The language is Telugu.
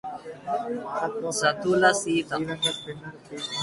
సతుల సీత